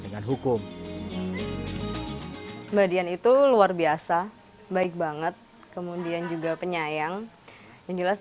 dengan hukum mbak dian itu luar biasa baik banget kemudian juga penyayang yang jelas